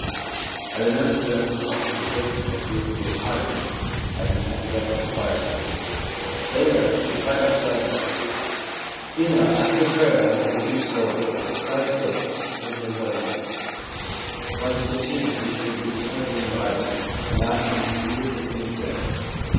I remember to have suspected the principal of " doing " his piety as an academic re quirement. Later, I stood quite outside the Bible.' F. ' After prayer I would repeat slowly, " For Christ's sake," wondering what it meant. When 15 I became disappointed in the Bible in not finding beautiful things there.